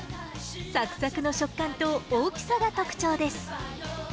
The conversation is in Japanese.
さくさくの食感と、大きさが特徴です。